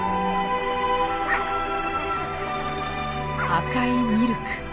赤いミルク。